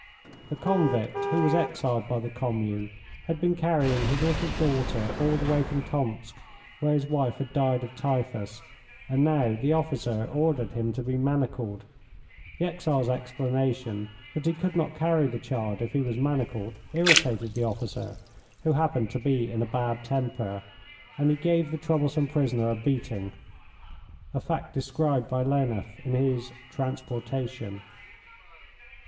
The convict, who was exiled by the Commune, had been carrying his little daughter all the way from Tomsk, where his wife had died of typhus, and now the officer ordered him to be manacled. The exile's explanation that he could not carry the child if he was manacled irritated the officer, who happened to be in a bad temper, and he gave the troublesome prisoner a beating. [A fact described by Lineff in his "Transportation".